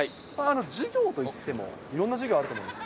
授業といっても、いろんな授業あると思います。